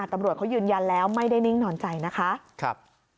ตำรวจเขายืนยันแล้วไม่ได้นิ่งนอนใจนะคะ